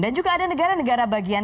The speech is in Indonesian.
dan juga ada negara negara bagian